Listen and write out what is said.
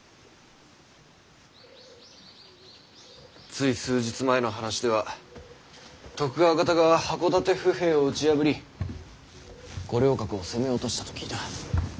つい数日前の話では徳川方が箱館府兵を打ち破り五稜郭を攻め落としたと聞いた。